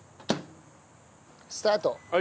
スタート。